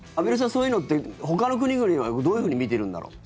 そういうのってほかの国々はどういうふうに見ているんだろう。